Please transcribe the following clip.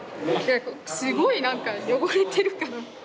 すごいなんか汚れてるから。